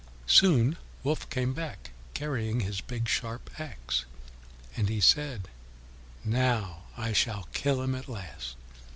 Soon Wolf came back, carrying his big sharp axe. And he said, "Now I shall kill him at last."